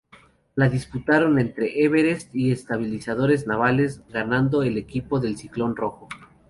La disputaron entre Everest y Estibadores Navales, ganando el equipo del ciclón rojo.